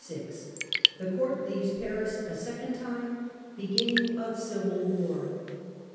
6. The Court leaves Paris a second time. Beginning of Civil War.